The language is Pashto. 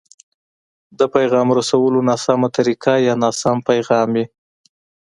د پيغام رسولو ناسمه طريقه يا ناسم پيغام وي.